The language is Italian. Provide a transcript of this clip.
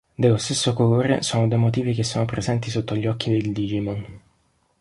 Dello stesso colore sono due motivi che sono presenti sotto gli occhi del Digimon.